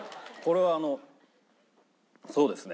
はいそうですね。